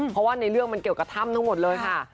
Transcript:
เพราะว่าในเรื่องมันเกี่ยวกับถ้ำทั้งหมดเลยค่ะ